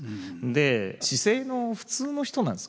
で市井の普通の人なんです。